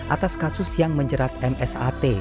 atas kasus yang menjerat msat